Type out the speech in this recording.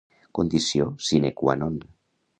Condició sine qua non.